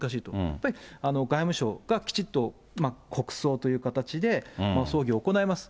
やっぱり外務省がきちっと国葬という形で、葬儀を行いいます。